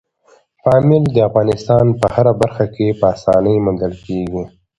پامیر د افغانستان په هره برخه کې په اسانۍ موندل کېږي.